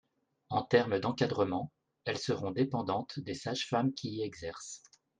En termes d’encadrement, elles seront dépendantes des sages-femmes qui y exercent.